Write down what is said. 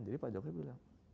jadi pak jokowi bilang